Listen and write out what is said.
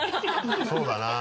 そうだな。